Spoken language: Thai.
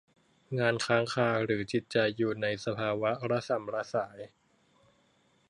งานค้างคาหรือจิตใจอยู่ในสภาวะระส่ำระสาย